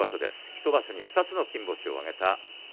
１つの場所で２つの金星を挙げました。